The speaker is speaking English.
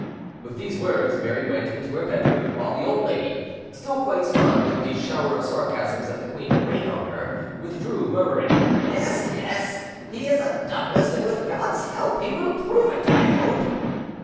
With these words, Mary went into her bedroom; while the old lady, still quite stunned with the shower of sarcasms that the queen had rained on her, withdrew, murmuring, "Yes, yes, he is a Douglas, and with God's help he will prove it, I hope."